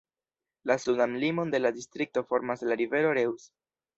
La sudan limon de la distrikto formas la rivero Reuss.